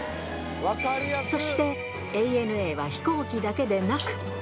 そして、ＡＮＡは飛行機だけでなく。